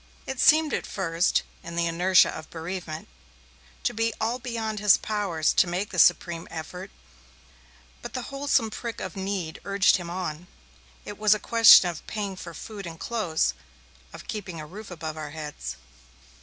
It seemed at first, in the inertia of bereavement, to be all beyond his powers to make the supreme effort, but the wholesome prick of need urged him on. It was a question of paying for food and clothes, of keeping a roof above our heads.